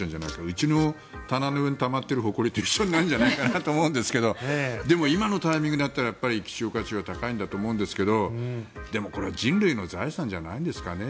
うちの棚の上にたまっているほこりと一緒になるんじゃないかと思うんですが今のタイミングだったら希少価値は高いと思うんですが人類の財産じゃないんですかね。